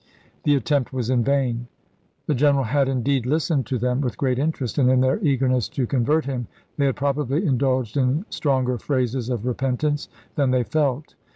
The at tempt was in vain." The general had indeed lis tened to them with great interest and in their eagerness to convert him they had probably in dulged in stronger phrases of repentance than they felt.